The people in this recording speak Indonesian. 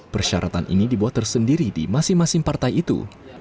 persyaratan ini dibuat tersendiri di masing masing partai itu